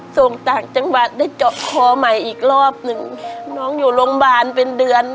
ส่งต่างจังหวัดได้เจาะคอใหม่อีกรอบหนึ่งน้องอยู่โรงพยาบาลเป็นเดือน